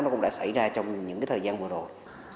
nó cũng đã xảy ra trong những cái thời gian vừa rồi